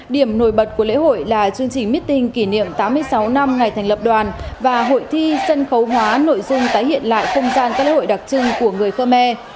điểm nổi bật của lễ hội là chương trình meeting kỷ niệm tám mươi sáu năm ngày thành lập đoàn và hội thi sân khấu hóa nội dung tái hiện lại không gian các hội đặc trưng của người khơ me